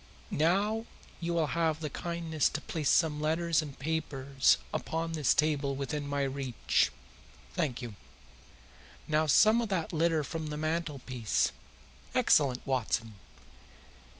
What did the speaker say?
Now you will have the kindness to place some letters and papers upon this table within my reach. Thank you. Now some of that litter from the mantelpiece. Excellent, Watson!